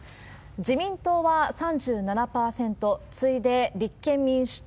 自民党は３７％、次いで立憲民主党